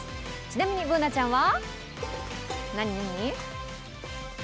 ちなみにＢｏｏｎａちゃんは？